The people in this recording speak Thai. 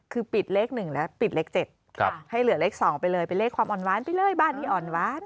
คือปิดเลข๑แล้วปิดเลข๗ให้เหลือเลข๒ไปเลยเป็นเลขความอ่อนว้านไปเลยบ้านนี้อ่อนหวาน